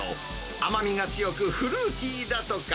甘みが強く、フルーティーだとか。